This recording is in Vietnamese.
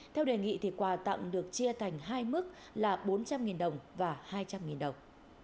theo đề nghị thì quà tặng được chia thành hai mức là bốn trăm linh đồng và hai trăm linh đồng